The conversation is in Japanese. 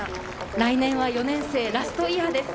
来年は４年生、ラストイヤーです。